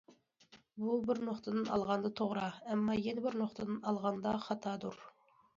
بۇ بىر نۇقتىدىن ئالغاندا توغرا، ئەمما يەنە بىر نۇقتىدىن ئالغاندا خاتادۇر.